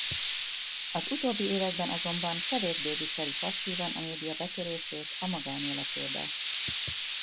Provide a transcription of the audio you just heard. Az utóbbi években azonban kevésbé viseli passzívan a média betörését a magánéletébe.